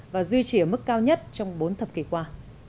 và duy trì ở mức cao nhất trong bốn thập kỷ qua